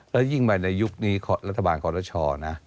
และยิ่งไว้ในยุคนี้รัฐบาลคอร์ตเชาะนะ